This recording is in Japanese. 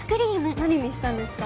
何にしたんですか？